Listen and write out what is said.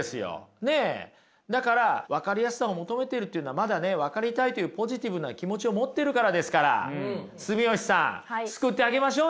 だから分かりやすさを求めてるっていうのはまだね分かりたいっていうポジティブな気持ちを持ってるからですから住吉さん救ってあげましょうよ。